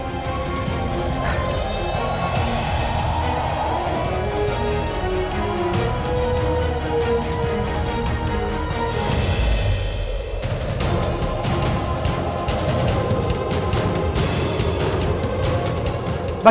kita harus berubah